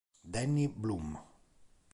Danny Blum